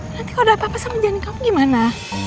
nanti kalau ada apa apa sama janin kamu gimana